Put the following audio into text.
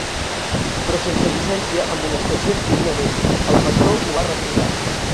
Però sense llicència, amonestacions ni un anell, el pastor ho va refusar.